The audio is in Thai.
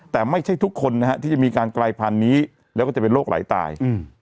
แต่ไม่ใช่ทุกคนนะฮะที่จะมีการกลายพันธุ์นี้แล้วก็จะเป็นโรคไหลตาย